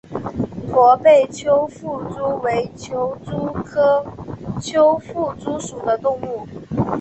驼背丘腹蛛为球蛛科丘腹蛛属的动物。